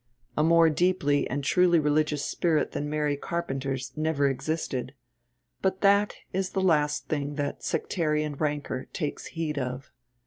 A more deeply and truly religious spirit than Mary Carpenter's never existed; but that is the last thing that sectarian rancour takes heed of.